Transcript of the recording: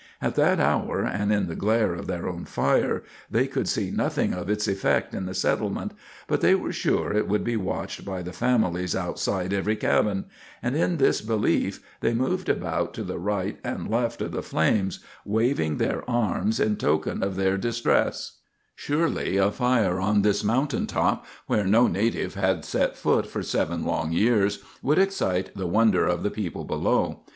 At that hour, and in the glare of their own fire, they could see nothing of its effect in the settlement; but they were sure it would be watched by the families outside every cabin; and in this belief they moved about to the right and left of the flames, waving their arms in token of their distress. [Illustration: THE BEACON FIRE.] Surely a fire on this mountain top, where no native had set foot for seven long years, would excite the wonder of the people below.